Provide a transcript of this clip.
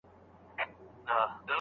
د هغه له معنا او مفهوم څخه عاجز سي